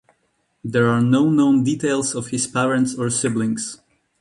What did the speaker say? There are no known details of his parents or siblings.